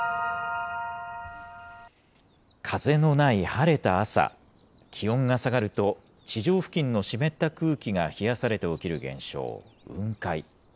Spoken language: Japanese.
風のない晴れた朝、気温が下がると、地上付近の湿った空気が冷やされて起きる現象、雲海。